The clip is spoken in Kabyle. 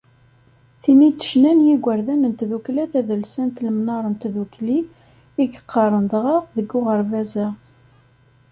Tin i d-ccnan yigerdan n tdukkla tadelsant Imnar n Tdukli, i yeqqaren dɣa deg uɣerbaz-a.